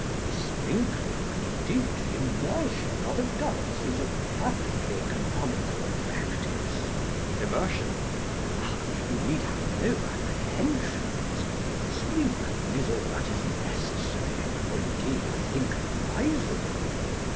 The sprinkling, and, indeed, the immersion of adults is a perfectly canonical practice. JACK. Immersion! CHASUBLE. You need have no apprehensions. Sprinkling is all that is necessary, or indeed I think advisable.